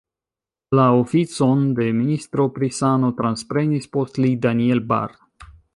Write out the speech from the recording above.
La oficon de ministro pri sano transprenis post li Daniel Bahr.